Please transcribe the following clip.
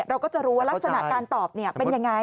เราก็จะรู้ว่ารักษณะการตอบเป็นยังไง